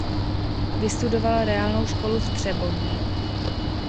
Vystudoval reálnou školu v Třeboni.